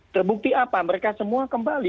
terbukti apa mereka semua kembali